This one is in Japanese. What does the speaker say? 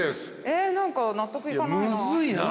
え何か納得いかないな。